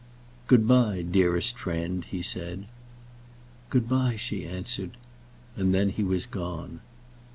"Good by, dearest friend," he said. "Good by," she answered, and then he was gone.